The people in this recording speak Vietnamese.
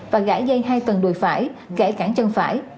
và gãi dây hai tầng đùi phải gãi cảng chân phải